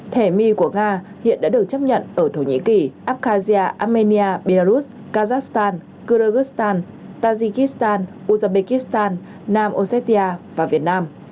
thẻ mi của nga hiện đã được chấp nhận ở thổ nhĩ kỳ afkazia armenia belarus kazakhstan kyrgyzstan tajikistan uzbekistan nam australia và việt nam